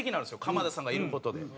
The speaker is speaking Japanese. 鎌田さんがいる事で。